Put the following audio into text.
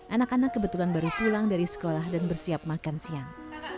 anak anak kebetulan baru pulang dari sekolah dan bersiap makan siang